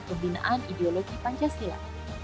pembedaan ideologi pancasila